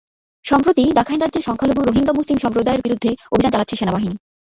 সম্প্রতি রাখাইন রাজ্যে সংখ্যালঘু রোহিঙ্গা মুসলিম সম্প্রদায়ের বিরুদ্ধে অভিযান চালাচ্ছে সেনাবাহিনী।